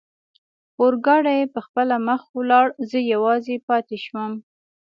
اورګاډي پخپله مخه ولاړ، زه یوازې پاتې شوم.